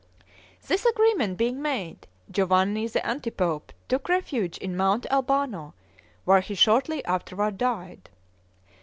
This agreement being made, Giovanni the anti pope took refuge in Mount Albano, where he shortly afterward died.